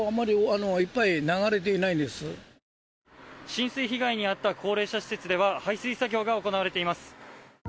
浸水被害に遭った高齢者施設では排水作業が行われています。